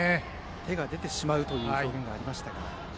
手が出てしまうという表現がありました。